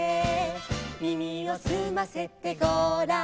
「耳をすませてごらん」